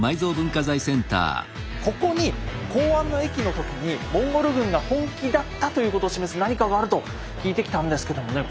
ここに弘安の役の時にモンゴル軍が本気だったということを示す何かがあると聞いてきたんですけどもね